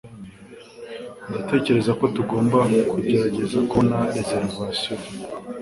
Ndatekereza ko tugomba kugerageza kubona reservation.